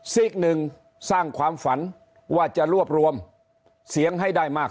ซีกหนึ่งสร้างความฝันว่าจะรวบรวมเสียงให้ได้มาก